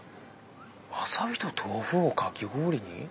わさびと豆腐をかき氷に？